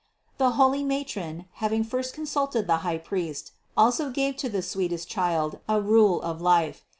439. The holy matron, having first consulted the high priest, also gave to the sweetest Child a rule of life.